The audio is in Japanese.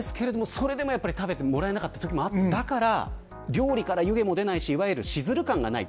それでも食べてもらえなかったときがあったから料理から湯気も出ないしいわゆる、しずる感がない。